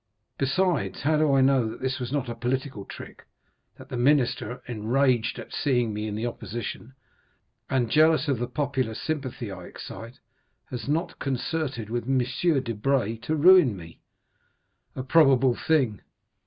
Besides, how do I know that this was not a political trick, that the minister enraged at seeing me in the opposition, and jealous of the popular sympathy I excite, has not concerted with M. Debray to ruin me?" "A probable thing!"